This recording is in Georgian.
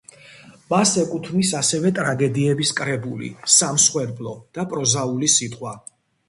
მას ეკუთვნის ასევე ტრაგედიების კრებული „სამსხვერპლო“ და „პროზაული სიტყვა“.